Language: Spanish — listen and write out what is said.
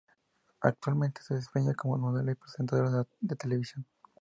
Actualmente, se desempeña como modelo y presentadora de Televisión.